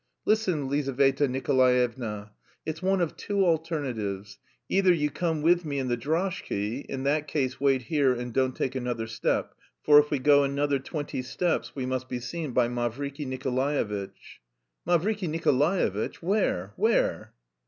Listen, Lizaveta Nikolaevna! It's one of two alternatives. Either you come with me in the droshky in that case wait here, and don't take another step, for if we go another twenty steps we must be seen by Mavriky Nikolaevitch." "Mavriky Nikolaevitch! Where? Where?"